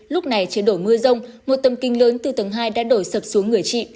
lúc này chế đổ mưa rông một tầm kinh lớn từ tầng hai đã đổi sập xuống người trị